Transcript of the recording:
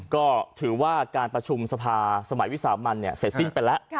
ก็ถือว่าการประชุมสภาสมัยวิสามันเสร็จสิ้นไปแล้ว